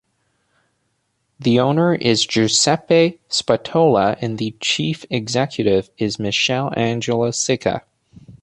The owner is Giuseppe Spatola and the Chief Executive is Michele Angelo Sica.